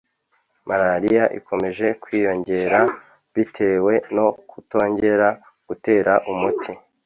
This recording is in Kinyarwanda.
Malariya ikomeje kwiyongera bitewe no kutongera gutera umuti